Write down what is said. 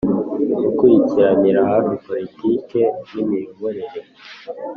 Gukurikiranira hafi politiki n imiyoborere